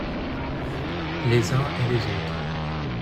Les uns et les autres.